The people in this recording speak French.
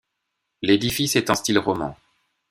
L'édifice est en style roman.